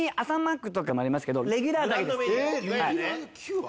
朝マックとかもありますけどレギュラーだけです。